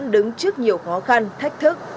đứng trước nhiều khó khăn thách thức